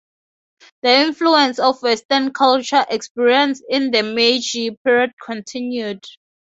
The influence of Western culture experienced in the Meiji period continued.